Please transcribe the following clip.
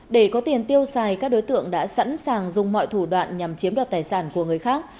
để có tiền tiêu xài các đối tượng đã sẵn sàng dùng mọi thủ đoạn nhằm chiếm đoạt tài sản của người khác